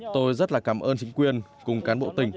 tôi rất là cảm ơn chính quyền cùng cán bộ tỉnh